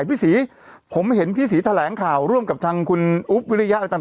พี่ศีผมเห็นพี่ศีแทรงข่าวร่วมกับครับกับคุณอุ๊บวิริยะอะไรตามนะ